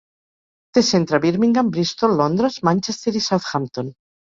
Té centre a Birmingham, Bristol, Londres, Manchester i Southampton.